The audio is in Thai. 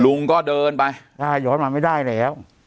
ลุงก็เดินไปย้อนมาไม่ได้แล้ว